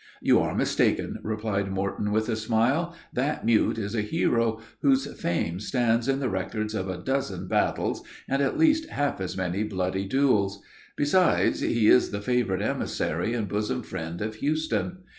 "You are mistaken," replied Morton, with a smile; "that mute is a hero whose fame stands in the records of a dozen battles, and at least half as many bloody duels. Besides, he is the favorite emissary and bosom friend of Houston.